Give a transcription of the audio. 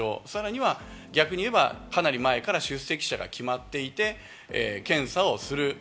さらには逆に言えば、かなり前から出席者が決まっていて、検査をする。